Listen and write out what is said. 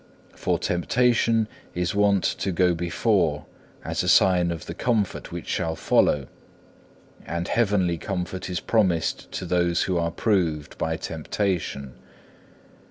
For temptation is wont to go before as a sign of the comfort which shall follow, and heavenly comfort is promised to those who are proved by temptation.